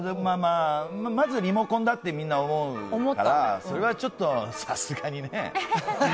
まずリモコンだってみんな思うからそれはちょっとさすがにね。